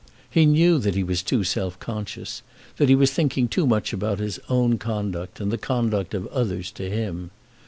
He knew that he was too self conscious, that he was thinking too much about his own conduct and the conduct of others to him.